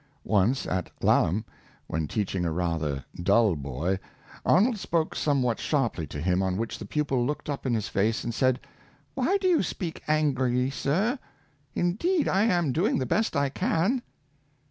Once at Laleham, when teaching a rather dull boy, Arnold spoke some what sharply to him, on which the pupil looked up in his face and said, '' Why do you speak angrily, sir? indeed I am doing the best I can."